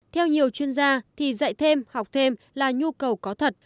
theo nhiều chuyên gia thì dạy thêm học thêm là nhu cầu có thật